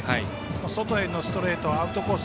外へのストレートアウトコース